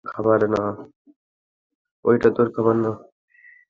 ওই এটা তোর খাবার না।